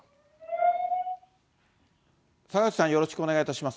坂口さん、よろしくお願いします。